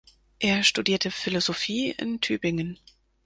Er studierte Philosophie in Tübingen.